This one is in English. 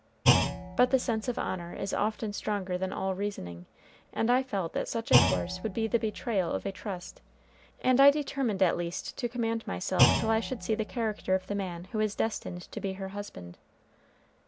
But the sense of honor is often stronger than all reasoning, and I felt that such a course would be the betrayal of a trust; and I determined at least to command myself till I should see the character of the man who was destined to be her husband.